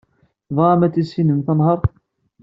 Tebɣam ad tissinem tanhaṛt.